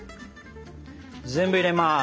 全部入れます。